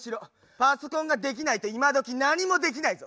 パソコンができないと今どき何もできないぞ。